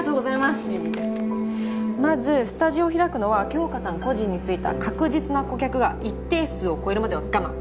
まずスタジオ開くのは杏花さん個人についた確実な顧客が一定数を超えるまでは我慢